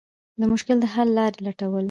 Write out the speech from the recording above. د مشکل د حل لارې لټول.